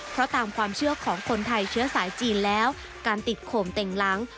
เพราะตามความเชื่อของคนไทยเชื้อสายจีนแล้วการติดโขมเต่งหลัง